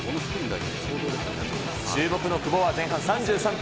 注目の久保は前半３３分。